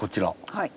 はい。